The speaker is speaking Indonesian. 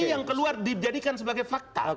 itu yang keluar dijadikan sebagai fakta